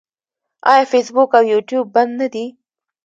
آیا فیسبوک او یوټیوب بند نه دي؟